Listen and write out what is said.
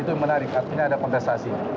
itu yang menarik artinya ada penggasasi